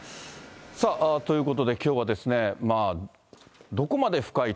さあ、ということで、きょうは、どこまで深い？